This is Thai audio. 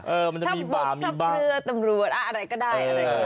เออมันจะมีบ่ามีบ้าท่าบุกท่าเพลือตำรวจอะไรก็ได้อะไรก็ได้